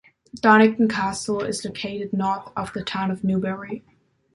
Donnington Castle is located north of the town of Newbury.